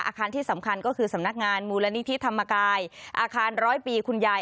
อาคารที่สำคัญก็คือสำนักงานมูลนิธิธรรมกายอาคารร้อยปีคุณยาย